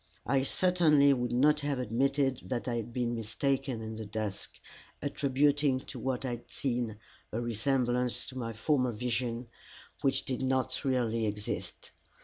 I certainly would not have admitted that I had been mistaken in the dusk, attributing to what I had seen a resemblance to my former vision which did not really exist.